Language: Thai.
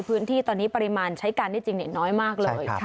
พื้นที่ตอนนี้ปริมาณใช้การได้จริงน้อยมากเลย